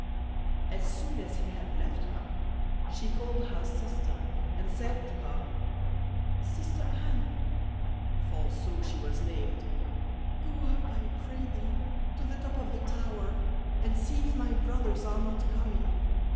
As soon as he had left her, she called her sister, and said to her, "Sister Anne" (for so she was named), "go up, I pray thee, to the top of the tower, and see if my brothers are not coming.